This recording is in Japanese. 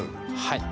はい。